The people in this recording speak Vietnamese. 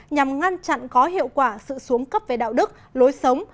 nhằm ngăn chặn có hiệu quả sự xuống cấp về đạo đức lối sống